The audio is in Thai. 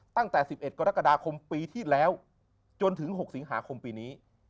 ตั้งแต่๑๑กรกฎาคมปีที่แล้วจนถึง๖สิงหาคมปีนี้